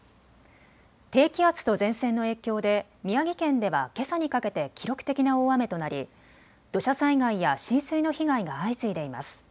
低気圧と前線の影響で宮城県ではけさにかけて記録的な大雨となり土砂災害や浸水の被害が相次いでいます。